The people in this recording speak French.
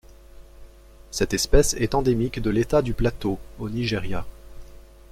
Cette espèce est endémique de l'État du Plateau au Nigeria.